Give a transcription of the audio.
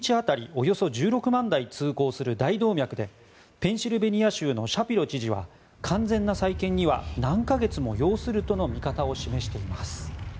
およそ１６万台通行する大動脈で、ペンシルベニア州のシャピロ知事は完全な再建には何か月も要するとの見方を示しています。